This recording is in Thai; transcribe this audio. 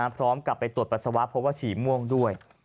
พร้อมกับไปตรวจปัสสาวะเพราะว่าฉี่ม่วงด้วย